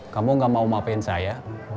kamu gak mau ngapain saya